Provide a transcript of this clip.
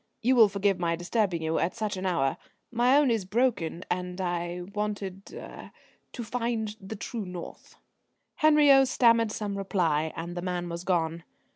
You will forgive my disturbing you at such an hour. My own is broken, and I wanted er to find the true north." Henriot stammered some reply, and the man was gone.